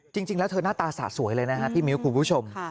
จริงแล้วเธอหน้าตาสะสวยเลยนะฮะพี่มิ้วคุณผู้ชม